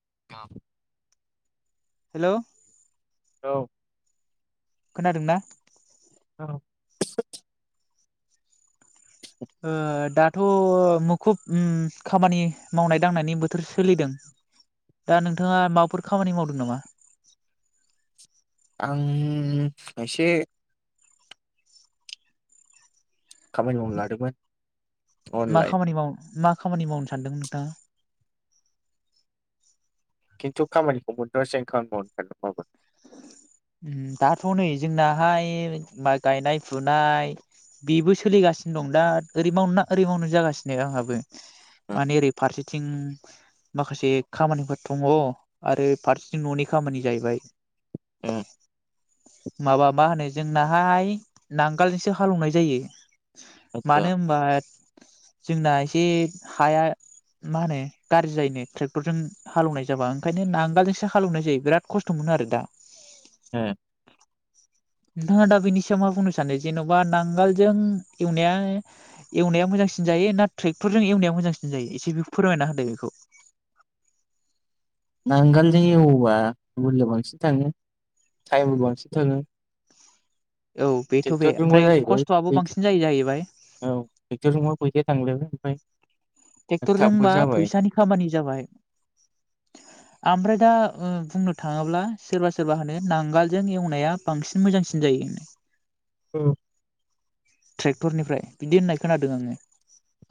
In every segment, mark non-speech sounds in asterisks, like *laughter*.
*inaudible* हेल' औ। खोनादों ना। औ। दाथ मुखुब खामानि। मावनाय दांनायनि बोथोर सोलिदों। दा नोंथाङा माबाफोर खामानि मावदों नामा। आं एसे खामानि मावनो लादोंमोन मा अनलाइन खामानि मावनो मा खामानि मावनो सानदों नोंथाङा? खिन्थु खामानिखौ मोनथआासै आं खामानिखौ मावबाबो नागिरबाबो दाथ' नै जोंनाहाय मा गायनाय फुनाय बेबो सोलिगासिनो दं दा ओरै माव ना ओरै मावनो जागासिनो आंहाबो माने ओरै फारसेथिं माखासे खामानिफोर दङ' आरो फारसेथिं ननि खामानि जाहैबाय *inaudible* माबा मा होनो जोंनाहाय नांगोलजोंसो हालौनाय जायो मानो होनबा जोंना एसे हाया मा होनो गाज्रि जायोनो ट्रेक्टरजों हालेवनाय जाबा ओंखायनो नांगोलजोंसो हालेवनाय जायो बिराद खस्थ मोनो आरो दा। ए। नोंथाङा दा बेनि सायाव मा बुंनो सानो जेनबा नांगोलजों एवनाया मोजांसिन जायो ना ट्रेक्टरजों एवनाया मोजांसिन जायो एसे बेखौ फोरमायना होदो बेखौ । नांगोलजों एवोबा बोलो बांसिन थाङो टाइमबो बांसिन थाङो औ बेथ' बे ट्रेक्टर जोंबा ओमफ्राय जाहैबाय खस्थ'आबो *unintelligible* बांसिन जायो जाहैबाय औ ट्रेक्टर बा बै *unintelligible* ट्रेक्टरजोंबा फैसानि खामानि जाबाय ओमफ्राय दा ओ बुंनो थाङोब्ला सोरबा सोरबा होनो नांगोलजों एवनाया बांसिन मोजांसिन जायो होनो। औ ट्रेक्टरनिफ्राय बिदि होननाय खोनादों आङो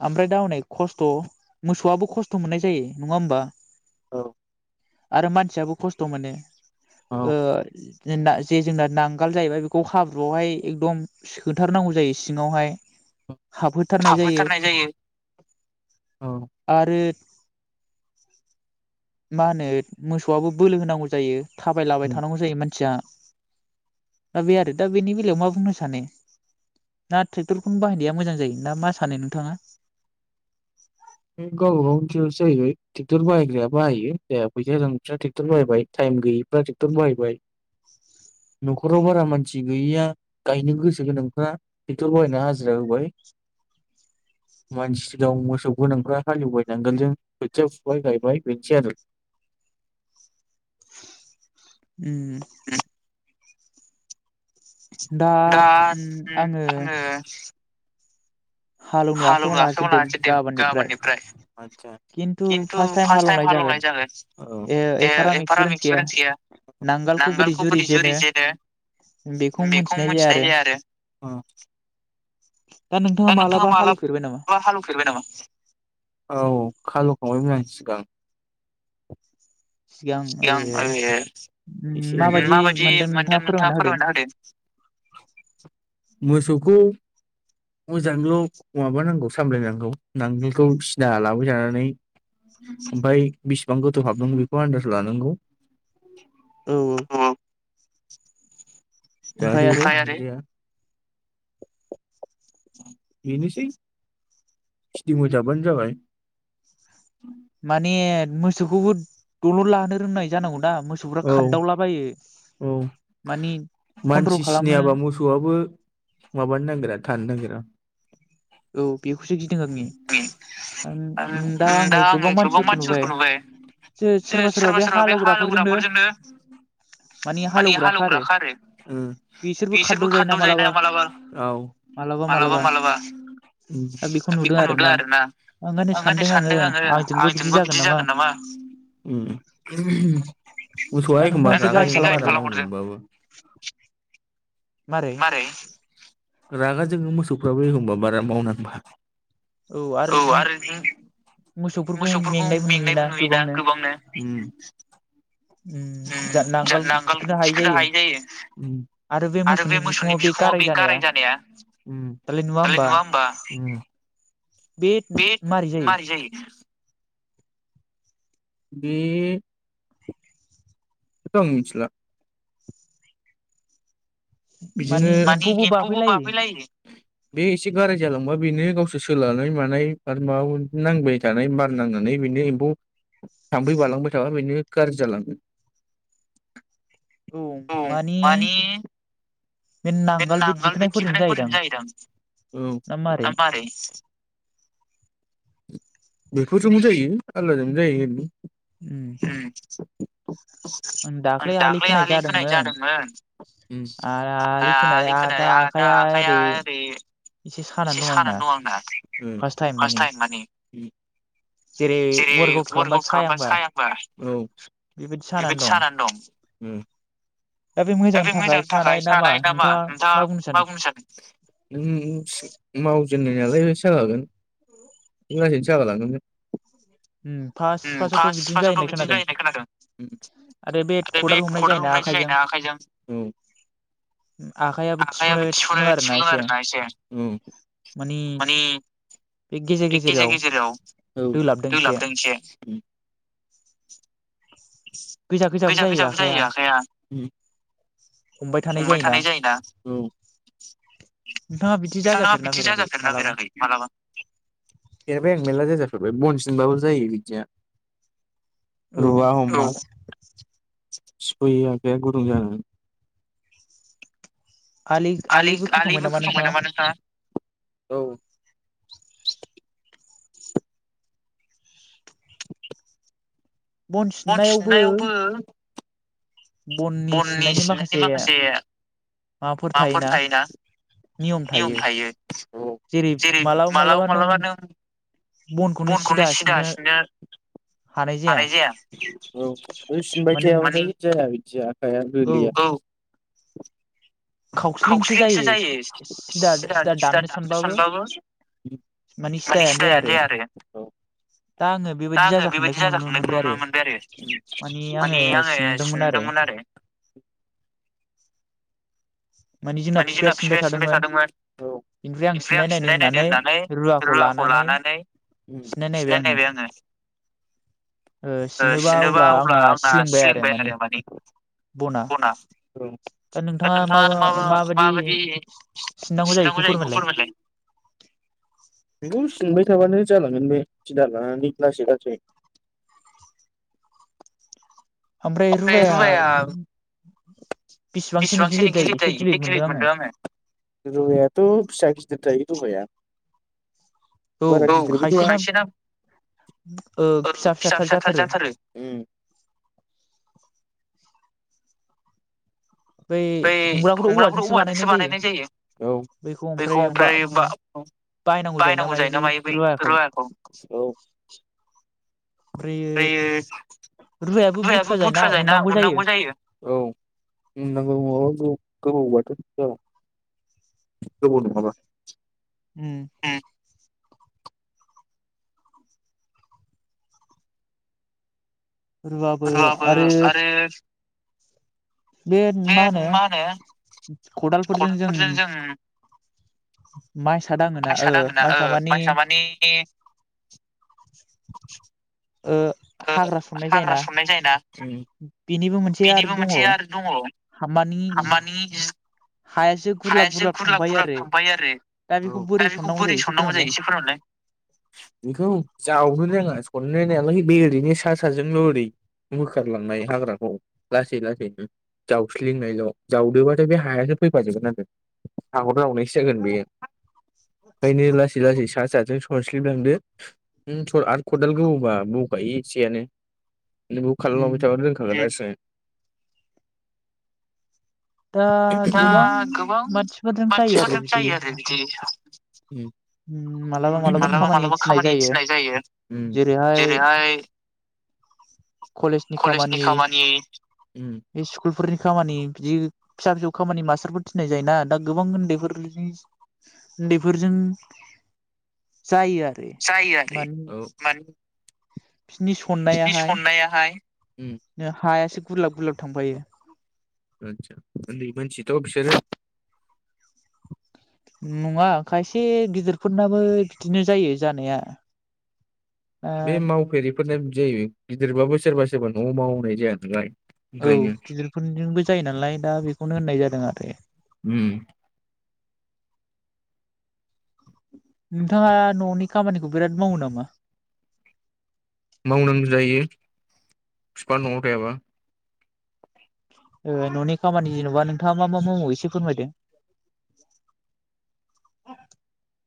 ओमफ्राय दा अनेक खस्थ मोसौआबो खस्थ मोननाय जायो नङा होमबा? औ । आरो मानसियाबो खस्थ मोनो औ ओ जोंदा जे जों दा नां गोला जाहैबाय बेखौ हाब्रुआवहाय एकदम सोथारनांगौ जायो सिङावहाय हाबहोथारनाय थाब जायो होथारनाय औ आरो मा होनो मोसौआबो बोलो होनांगौ जायो थाबायलाबाय थानांगौ जायो मानसिया दा बे आरो दा बेनि बेलायाव मा बुंनो सानो दा ट्रेक्टरखौनो बाहायनाया मोजां जायो ना मा सानो नोंथाङा? बे गावबा गावनि सायावसो जाहैबाय। ट्रेक्टर बाहायग्राया बाहायो जायहा फैसा गोनांफ्रा ट्रेक्टर बाहायबाय टाइम गैयैफ्रा ट्रेक्टर बाहायबाय। नखराव बारा मानसि गैयैया गायनो गोसो गोनांफ्रा ट्रेक्टर बाहायना हाजिरा होबाय मानसि दं मोसौ गोनांफ्रा हालेवबाय नांगोल जों खोथिया फुबाय गायबाय बेनोसै आरो उम । *inaudible* दा ओम आङो हालौनो आखाइआव थांनोसै दे गाबोननिफ्राय आतसा खिन्थु फार्स्ट टाइम हालेवनाय जागोन। औ, ए एफाराम एफाराम एक्सपिरियेन्स एक्सपिरियेनस गैया। नांगालखौ बोरै जुरि जेनो बेखौ मिथिनाय जाया आरो दा नों नोंथाङा मालाबा माला हालौफेरबाय नामा बा हालेवफेरबाय नामा? हालौ खांबायमोन आं सिगां। सिगां ए माबायदि मोनदों नोंथाङा फोरमायना होदो। मोसौ *unintelligible* मोजांल माबानांगौ सामलायनांगौ नांगोलखौ सिदा लाबाय थानानै ओमफ्राय बेसिबां गोथौ हाबदों बेखौ आन्दाज लानांगौ औ औ ओमफ्राय आरो *unintelligible* *inaudible* बेनोसै *unintelligible* जाबानो जाबाय माने मोसौखौबो दलर लानो रोंनाय जानांगौ ना औ औ मानि कन्ट्रल मानसि खालामनो सिनायाबा मोसौआबो माबानो नागिरा थानो नागिरा। औ बेखौसो गिदों आंनि दा आङो गोबां मानसिफोरखौ नुबाय सोरबा सोरबा बे हालौग्राफोरजोंनो मानि हालेग्राखा आरो उ बिसोरबो खारदाव जायो ना मालाबा औ मालाबा मालाबा दा बेखौ नुदों आरो ना सानदों आङो आंजोंबो बिदि जागोन नामा उम मोसौआ दा एखम्बा नोंथाङा एसे रागा गाइद खालामहरदो जोङो *unintelligible* मारै रागा जो जोङो मोसौफ्राबो एखम्बा बारा मावनांबा औ आरो मोसौफोरखौ मेंनायबो नुयोना गोबांनो नांगोल थिखोनो हायि जायो उ आरो बे मोसौनि बिखङाव बे गाराय जानाया उ दालाय नुवा होमबा? बे बेेट मारि जायो? बे *unintelligible* आं मिथिला बिजोनो मानि एम्फौबो बाफैलायो। बे एसे गाराय जालांबा बेनो गावसोर सोलानाय मानाय आरो माबा नांबाय थानाय बार नांनानै बेनो एम्फौ थाम्फै बालांबाय थाबा बेनो गाज्रि जालाङो औ माने बे नांगोल बे दिखोनायफोरजों जायोदां ना मारै? बेफोरजोंबो जायो आलादाजोंनो जायो ओरैनो उम ह आं दाख्लै आलि खोनाय जादोंमोन आ आलि खोनानै दा आखाया ओरै एसे सानानै दं आंना उ फार्स्ट टाइम माने जेरै वार्क आउट खालामबा साया होनबा औ बेबायदि सानानै दं। उ दा बे मोजांनि थाखाय सानाय नामा नोंथाङा मा बुंनो सानो *unintelligible* *unintelligible* *unintelligible* उम फार्स्ट उम फार्स्टआवथ' फार्स्ट फार्स्टावथ होननाय बिदिनो जायो होनना खोनादों आरो बे खदाल हमनाय जायोना आखाइजों औ आखाइयाबो थिफुनो आखायाबो थिफुना आरोना थिफुदों आरो ना एसे औ मानि बे गेजेर गेजेराव औ दोलाबदों एसे दोलाब दों इसे। *unintelligible* गोजा गोजाबो जायो आखाइया। हमबाय थानाय जायोना। नोंथाङा बिदि नोंथाङा जाजाफेरना बिदि फेराखै जाजाफेरना मालाबा फेराखै मालाबा फेरबाय आं मेरला जाजा फेरबाय बन सिनबाबो जायो बिदिया। औ रुवा हमानो सयि आखाया गुदुंजानांगोन। आलि आलिबो होखामोबायनामा नोंथाङा औ। बन सिननायावबो बननि सिननायनि माखासे माबाफोर थायोना नियम थायो जेरै मालाबा मालाबा नों बनखौनो सिदा सिननो हानाय जाया औ सिनबाय मानि थायाबाथाय जाया बिदि जाया औ ‌ *unintelligible* *inaudible* खावस्लिंसो जायो सिदा सिदा दाननो सानबाबो माने सिदायानो जाया आरो दा आङो दा बेबायदि आङो बेबायदि जाजाखांनायखौ मोनबाय नुनो आरो मोनबायआरो माने आङो सिनदोंमोन आरो। मानि जोंना बिफाया सिनबाय थादोंमोन औ बेनिफ्राय आं सिननायनायनो होननानै रुवाखौ लानानै सिननाय नायबाय सिननायनायबाय आङो ओ सिनोबा अब्ला आंना सिलिंबाय आरो माने बना दा नोंथाङा नों मा *unintelligible* माबायदि सिननांगौ जायो इखौ फोरमायलाय। सिनबायथाबानो जालांगोन बे सिदालानानै लासै लासै ओमफ्राय रुवाया बिसिबांसोनि गिलिद जायो एसे गिलिद मोनदों आङो रुवायाथ फिसा गिदिर थायो रुवाया औ खायसेना फिसा फिसाथार जाथारो। बै हमग्राखौथ' हमबग्राफोरखौ बानायनाय औवाजोंसो जायो बानायनायजायो औ बेखौ ओमफ्राय बा बायनांगौ जायोना मायो बै रुवाखौ औ। ओमफ्रायो बै बुथुवा रुवायाबो जायोना बुथुवाजायो ना उननांगौ जायो उनांगौजायो औ। *unintelligible* गोबौ नङाबा। उम। रुवाबो आरो बे माहोनो मा होनो खदालफोरजों जों माइसा दाङोना मायसा दाङोना ओ माइसा मानि मायसामानि *inaudible* ओ हाग्रा सननाय हाग्रा जायोना संनाय जायो ना ओम बेनिबो मोनसे आरो दङ हामानि मानि हायासो गुरलाब गुरलाब थांबाय दा आरो दा बेखौ सननांगौ बोरै जायो एसे संनांगौ फोरमायलाय जायो इसेफोरनावलाय बेखौ जावहो बेखौ रोङा सरनोनायालाय बे ओरैनो सा साजोंल ओरै बोखारलांनाय हाग्राखौ लासै लासैनो जावस्लिंनायल जावदोबथाय बे हायासो फैफाजोबगोन आरो हाखर जावनाय सोजागोन बेखायनो लासै लासै सा फिसाजों ससलिबलांदो आरो खदाल गो बा बौखायो एसेयानो बखौ उम खालामलांबायथाबानो रोंखागोन लासै दा दा गोबां गोबां मानसिफोरजों जायो आरो मानसिफोरजों बिदि जायो आरो बिदि उम मालाबा मालाबा खामानि मालाबा थिननाय खामानि थिनाय जायो जेरैहाय कलेजनि खामानियै बे स्कुलफोरनि खामानि बिदि फिसा फिसौ खामानि मास्टारफोर थिनाय जाय ना दा गोबां उन्दैफोरनि उन्दैफोरजों जायो आरो सायो आरो माने *inaudible* बिनि बिनि सननायाहाय सननायाहाय उम हायासो गुरलाब गुरलाब थांफायो आटसा ओन्दै मानसिथ बिसोरो नङा खायसे गिदिरफोरनाबो बिदिनो जायो जानाया बे ओ मावफेरि फोर जायो गिदिरबाबो सोरबा सोरबा नआव मावनाय जाया नालाय औ ओंखायनो गिदिरफोरजोंबो जायो नालाय दा बेखौनो होननाय जादों आरो उम नोंथाङा ननि खामानिखौ बिराद मावो नामा मावनांगौ जायो बिफा नआव थायाबा ननि खामानि जेनबा नोंथाङा मा मा मावो एसे फोरमायदों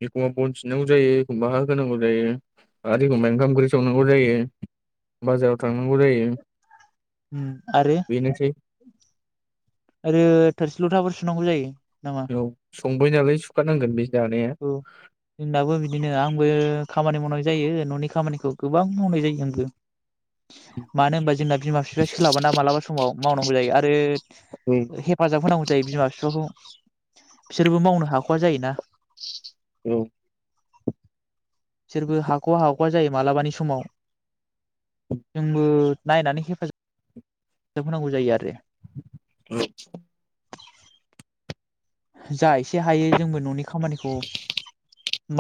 एखमबा बन थिनांगौ जायो एखमबा हा होनांगौ जायो आरो एखमबा ओंखाम ओंख्रि संनांगौ जायो बाजाराव थांनांगौ जायो आरो बेनोसै आरो थोरसि लथाफोर सुनांगौ जायो नामा औ संबाय नालाय सुखानांगोन बे जानाया औ खमानि मावनाय जायो ननि खामानिखौ गोबां मावनाय जायो आंबो मानो होनबा जोंना बिमा बिफाया सोलाबा मालाबा समाव मावनांगौ जायो आरो औ हेफाजाब होनांगौ जायो बिमा बिफाखौ बिसोरबो मावनो हाखवा जायोना औ बिसोरबो हाखवा हाखवा जायो मालाबानि समाव जोंबो नायनानै हेफाजा हेफाजाब होनांगौ जायो आरो *inaudible* जायस‌ एसे हायो जोंबो ननि खामानिखौ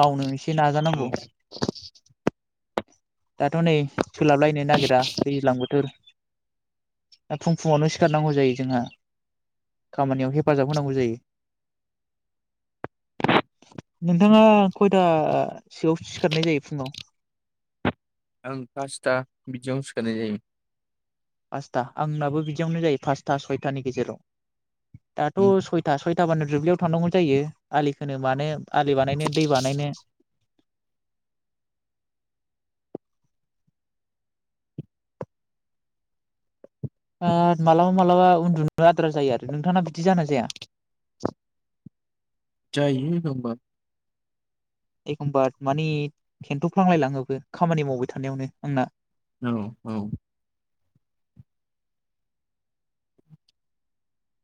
मावनोस औ। दाथ नै सोलाबलायनो नागिरा दैज्लां बोथोर फुं फुङावनो सिखारनांगौ जायो जोंहा खामानियाव हेफाजाब होनांगौ जायो। नोंथाङा खयथा सोआव सिखारनाय जायो फुङाव? आं पासथा बिदियावनो सिखारनाय जायो। पासथा आंनाबो बिदियावनो जायो पासथा सयथानि गेजेराव। दाथ सयथा सयथ *unintelligible* थाबानो दुब्लियाव थांनांगौ जायो आलिखनो मानो। आलि बानायनो दै बानायनो। ओ मालाबा मालाबा उन्दुनो आद्रा जायो आरो नोंथाङा बिदि जानाय जाया? जायो एखमबा। एखमबा माने खेन्थफ्लांलायलाङोबो खामानि मावबाय थानायावनो आंना। औ- औ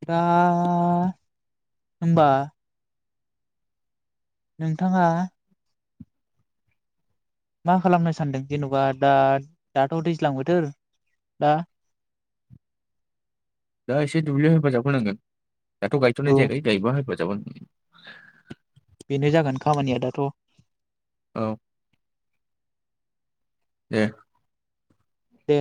दा होमबा नोंथाङा मा खालामनो सानदों जेनबा दा दाथ दैज्लां बोथोर दा दा एसे दुब्लियाव हेफाजाब होनांगोन। दाथ गायथनाय औ जायाखै गायबा होगोन *unintelligible* बेनो जागोन खामानिया दाथ। औ दे दे